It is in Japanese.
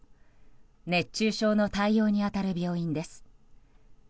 熱中症の対応に当たる病院です。